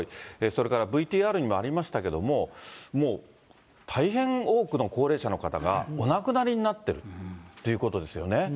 それからＶＴＲにもありましたけども、もう大変多くの高齢者の方がお亡くなりになってるということです